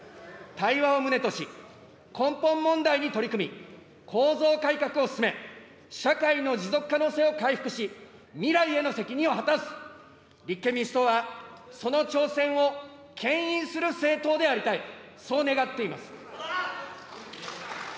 対話を旨とし、根本問題に取り組み、構造改革を進め、社会の持続可能性を回復し、未来への責任を果たす、立憲民主党はその挑戦をけん引する政党でありたい、そう願っています。